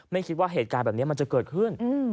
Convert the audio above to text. ไม่คิดว่าเหตุการณ์แบบนี้มันจะเกิดขึ้น